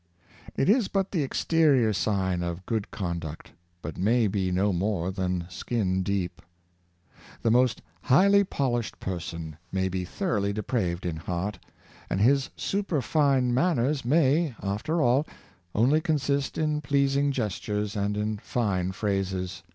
It is but the exte rior sign of good conduct, but may be no more than skin deep. The most highly polished person may be thoroughly depraved in heart; and his superfine man ners may, after all, only consist in pleasing gestures and in fine phrases.